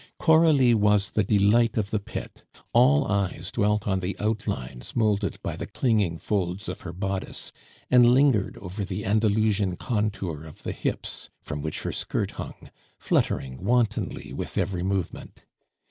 Coralie was the delight of the pit; all eyes dwelt on the outlines moulded by the clinging folds of her bodice, and lingered over the Andalusian contour of the hips from which her skirt hung, fluttering wantonly with every movement.